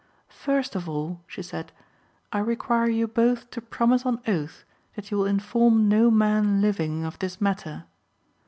"First of all," she said, "I require you both to promise on oath that you will inform no man living of this matter."